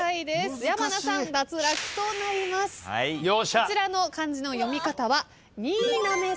こちらの漢字の読み方は。